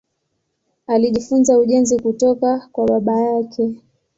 Alijifunza ujenzi kutoka kwa baba yake.